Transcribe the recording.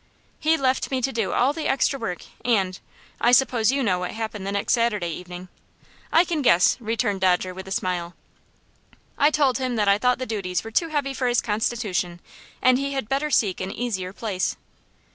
"He left me to do all the extra work, and I suppose you know what happened the next Saturday evening?" "I can guess," returned Dodger, with a smile. "I told him that I thought the duties were too heavy for his constitution, and he had better seek an easier place.